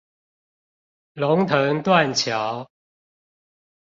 龍騰斷橋